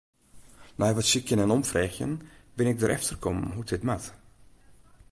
Nei wat sykjen en omfreegjen bin ik derefter kommen hoe't dit moat.